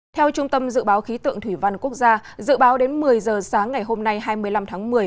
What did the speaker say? theo trung tâm dự báo khí tượng thủy văn quốc gia dự báo đến một mươi giờ sáng ngày hôm nay hai mươi năm tháng một mươi